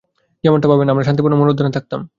যেমনটা জানেন, আমরা শান্তিপূর্ণ মরুদ্যানে থাকতাম।